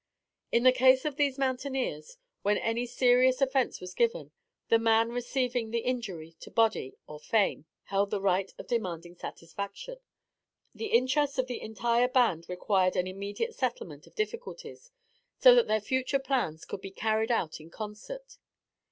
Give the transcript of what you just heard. In the case of these mountaineers, when any serious offence was given, the man receiving the injury to body or fame held the right of demanding satisfaction. The interests of the entire band required an immediate settlement of difficulties, so that their future plans could be carried out in concert.